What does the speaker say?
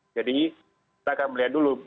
jadi kita akan melihat dulu